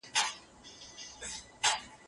ولې سياست خوځنده او پېچلې ځانګړنه لري؟